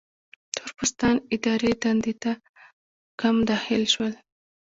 تور پوستان اداري دندو ته کم داخل شول.